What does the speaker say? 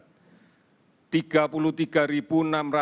dari kesempatan antigen yang sudah kita periksa